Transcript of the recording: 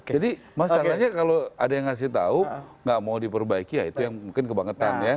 jadi masalahnya kalau ada yang memberitahu tidak mau diperbaiki ya itu yang mungkin kebangetan ya